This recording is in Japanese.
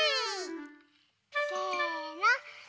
せの。